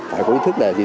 phải có ý thức để giữ